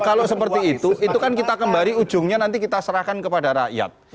kalau seperti itu itu kan kita kembali ujungnya nanti kita serahkan kepada rakyat